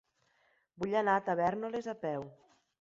Vull anar a Tavèrnoles a peu.